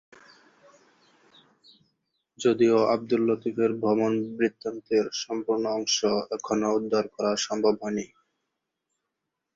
যদিও আবদুল লতীফের ভ্রমন বৃত্তান্তের সম্পূর্ণ অংশ এখনও উদ্ধার করা সম্ভব হয়নি।